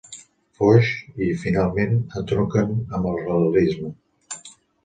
Foix i, finalment, entronquen amb el realisme.